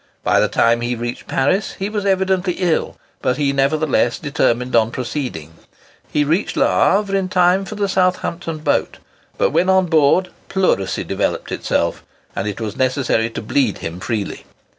By the time he reached Paris he was evidently ill, but he nevertheless determined on proceeding. He reached Havre in time for the Southampton boat; but when on board, pleurisy developed itself, and it was necessary to bleed him freely.